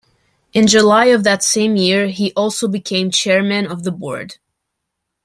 In July of that same year he also became Chairman of the Board.